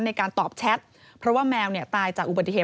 ในการตอบแชทเพราะว่าแมวเนี่ยตายจากอุบัติเหตุ